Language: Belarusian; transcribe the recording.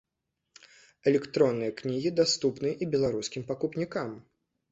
Электронныя кнігі даступныя і беларускім пакупнікам.